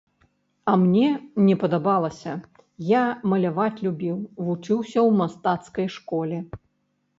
А мне не падабалася, я маляваць любіў, вучыўся ў мастацкай школе.